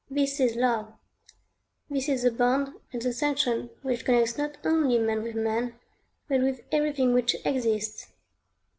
This is Love. This is the bond and the sanction which connects not only man with man, but with everything which exists.